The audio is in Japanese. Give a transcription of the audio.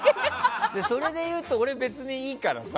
それでいうと俺、別にいいからさ。